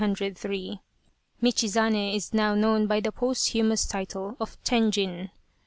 Michizane is now known by the posthumous title of Tenjin.